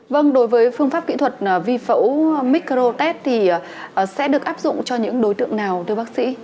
vâng đối với phương pháp kỹ thuật vi phẫu micro test thì sẽ được áp dụng cho những đối tượng nào thưa bác sĩ